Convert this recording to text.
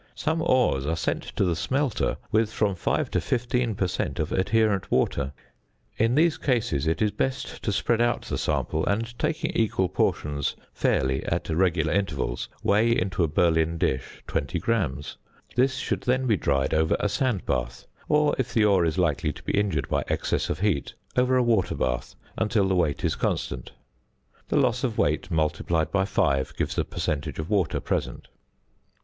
Some ores are sent to the smelter with from 5 to 15 per cent. of adherent water. In these cases it is best to spread out the sample, and taking equal portions fairly at regular intervals, weigh into a Berlin dish 20 grams. This should then be dried over a sand bath, or if the ore is likely to be injured by excess of heat, over a water bath until the weight is constant. The loss of weight multiplied by 5 gives the percentage of water present.